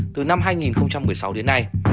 từ năm hai nghìn một mươi sáu đến nay